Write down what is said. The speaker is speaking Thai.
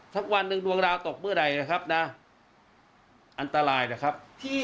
สักวันหนึ่งดวงดาวตกเมื่อใดนะครับนะอันตรายนะครับ